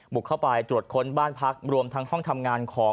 บุกเข้าไปตรวจค้นบ้านพักรวมทั้งห้องทำงานของ